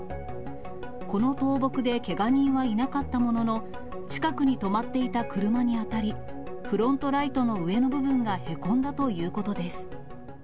この倒木でけが人はいなかったものの、近くに止まっていた車に当たり、フロントライトの上の部分がへこんだということです。